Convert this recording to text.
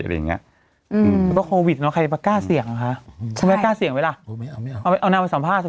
หรือว่าโควิดใครเก้าอายุเสียงคุณเบลอ้าเก้าเสียงไหมล่ะเอาน่าไปสัมภาษณ์